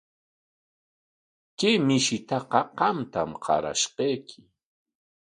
Kay mishitaqa qamtam qarashqayki.